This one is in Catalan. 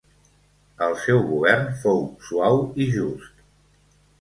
El seu govern fou suau i just.